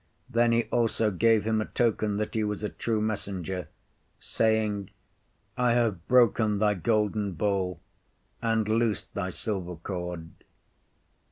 Then he also gave him a token that he was a true messenger, saying, "I have broken thy golden bowl, and loosed thy silver cord."